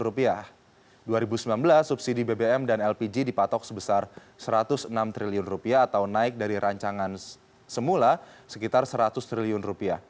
rp dua ribu sembilan belas subsidi bbm dan lpg dipatok sebesar rp satu ratus enam triliun atau naik dari rancangan semula sekitar rp seratus triliun